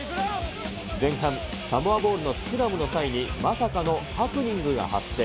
前半、サモアボールのスクラムの際に、まさかのハプニングが発生。